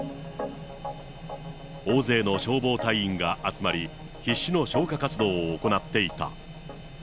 大勢の消防隊員が集まり、必死の消火活動を行っていた。